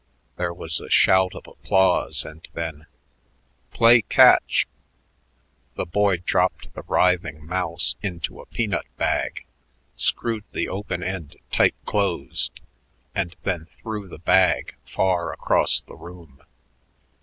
There was a shout of applause and then "Play catch!" The boy dropped the writhing mouse into a peanut bag, screwed the open end tight closed, and then threw the bag far across the room.